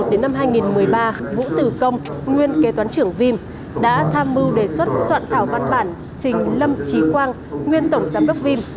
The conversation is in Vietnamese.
đến năm hai nghìn một mươi ba vũ tử công nguyên kế toán trưởng vim đã tham mưu đề xuất soạn thảo văn bản trình lâm trí quang nguyên tổng giám đốc vim